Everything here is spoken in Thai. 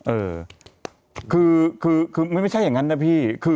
เออคือไม่ใช่อย่างนั้นนะพี่